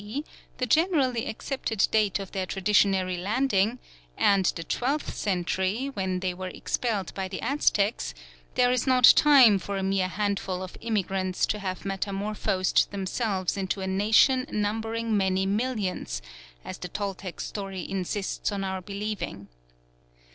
D., the generally accepted date of their traditionary landing, and the twelfth century, when they were expelled by the Aztecs, there is not time for a mere handful of immigrants to have metamorphosed themselves into a nation numbering many millions, as the Toltec story insists on our believing.